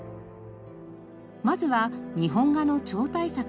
まずは日本画の超大作から。